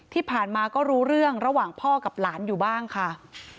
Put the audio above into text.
ที่ผ่านมาก็รู้เรื่องระหว่างพ่อกับหลานอยู่บ้างค่ะ